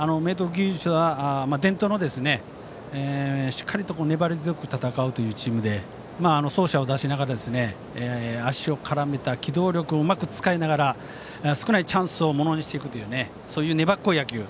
義塾は、伝統のしっかりと粘り強く戦うチームで走者を出しながら、足を絡めた機動力をうまく使いながら少ないチャンスをものにしていくというそういう粘っこい野球。